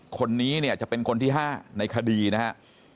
คนนี้เนี่ยจะเป็นคนที่๕ในคดีนะครับ